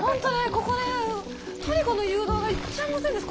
ここねトリコの誘導がいっちゃんムズイんです